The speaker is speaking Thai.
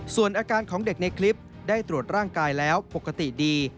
ส่วนอาการของเด็กในคลิปได้ตรวจร่างกายแล้วปกติดี